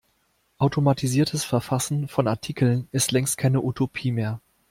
Automatisiertes Verfassen von Artikeln ist längst keine Utopie mehr.